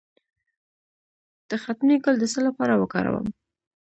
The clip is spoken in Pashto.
د ختمي ګل د څه لپاره وکاروم؟